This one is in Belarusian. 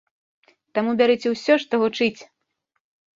Таму бярыце ўсё, што гучыць!